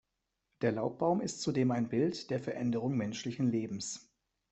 Der Laubbaum ist zudem ein Bild der Veränderung menschlichen Lebens.